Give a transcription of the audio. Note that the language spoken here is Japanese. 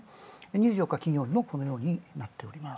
２４日金曜日もこのようになっております。